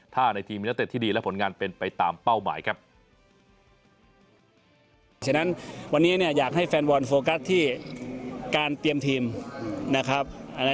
ถ้าในทีมมีนักเตะที่ดีและผลงานเป็นไปตามเป้าหมายครับ